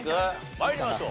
参りましょう。